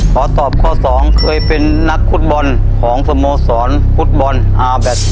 ขอตอบข้อ๒เคยเป็นนักฟุตบอลของสโมสรฟุตบอลอาร์แบต